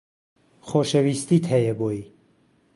خۆشەویستیت هەیە بۆی